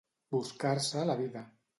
Buscar-se la vida.